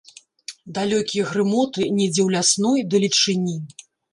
Далёкія грымоты недзе ў лясной далечыні.